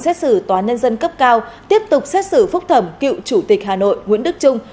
xét xử tòa nhân dân cấp cao tiếp tục xét xử phúc thẩm cựu chủ tịch hà nội nguyễn đức trung